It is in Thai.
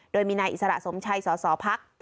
โดยมีนายอิสระสมชัยสสพัก